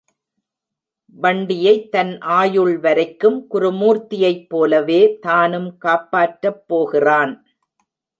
வண்டியைத் தன் ஆயுள் வரைக்கும், குருமூர்த்தியைப் போலவே தானும் காப்பாற்றப் போகிறான்.